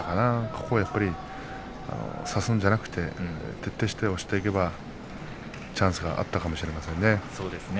ここはやっぱり差すのではなくて徹底して押していけばチャンスがあったかもしれませんね。